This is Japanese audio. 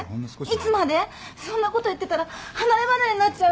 そんなこと言ってたら離れ離れになっちゃう。